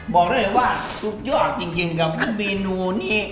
บอกเลยว่าสุดยอดจริงกับเมนูนี้